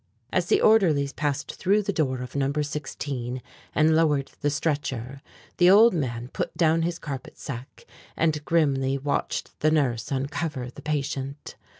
As the orderlies passed through the door of No. 16 and lowered the stretcher, the old man put down his carpet sack and grimly watched the nurse uncover the patient.